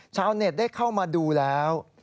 ชาวเน็ตได้เข้ามาดูแล้ว